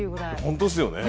本当っすよね。